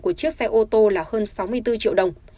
của chiếc xe ô tô là hơn sáu mươi bốn triệu đồng